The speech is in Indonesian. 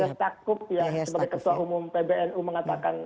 ya hestakup ya sebagai ketua umum pbnu mengatakan